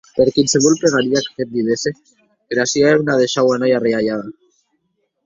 Per quinsevolh pegaria qu’aguest didesse, era sua hemna deishaue anar ua arridalhada.